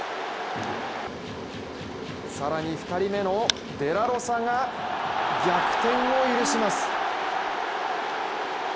更に２人目のデラロサが逆転を許します。